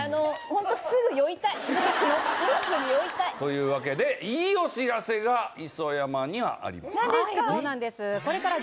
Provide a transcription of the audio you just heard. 今すぐ酔いたい。というわけでいいお知らせが磯山にはあります。